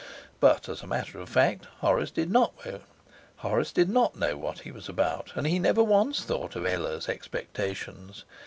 But as a matter of fact Horace did not know what he was about, and he never once thought of Ella's expectations.